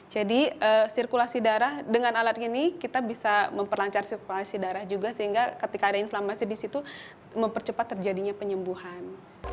jadi sirkulasi darah dengan alat ini kita bisa memperlancar sirkulasi darah juga sehingga ketika ada inflamasi di situ mempercepat terjadinya penyembuhan